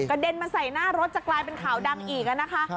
กระเด็นมาใส่หน้ารถจะกลายเป็นขาวเดือน